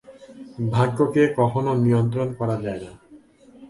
ভাগ্যকে কখনো নিয়ন্ত্রণ করা যায় না।